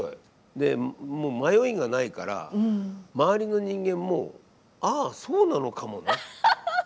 でもう迷いがないから周りの人間もああそうなのかもねって思っちゃう。